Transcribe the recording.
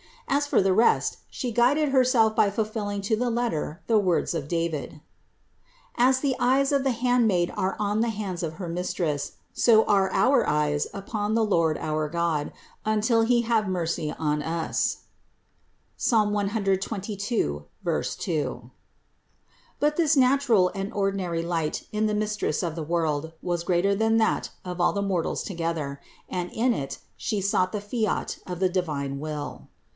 As for the rest She guided Herself by fulfilling to the letter the words of David: "As the eyes of the handmaid are on the hands of her mistress, so are our eyes unto the Lord our God, until He have mercy on us" (Ps. 122, 2). But this nat ural and ordinary light in the Mistress of the world was greater than that of all the mortals together; and in it She sought the fiat of the divine will.